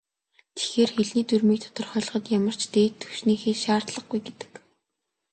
Тэгэхээр, хэлний дүрмийг тодорхойлоход ямар ч "дээд түвшний хэл" шаардлагагүй гэдэг.